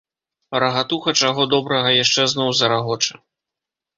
Рагатуха, чаго добрага, яшчэ зноў зарагоча.